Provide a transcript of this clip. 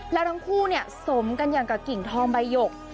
แล้วทั้งคู่เนี่ยสมกันอย่างกับกิ่งทองใบหยก